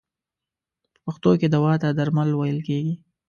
په پښتو کې دوا ته درمل ویل کیږی.